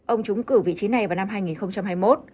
ông trúng cử vị trí này vào năm hai nghìn hai mươi một